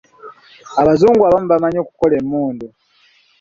Abazungu abamu bamanyi okukola emmundu.